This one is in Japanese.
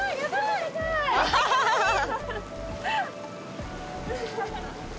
「ハハハハ！」